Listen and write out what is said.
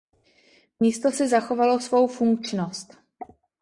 Místo si zachovalo svou funkčnost.